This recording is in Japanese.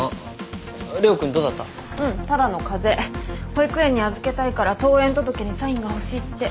保育園に預けたいから登園届にサインが欲しいって。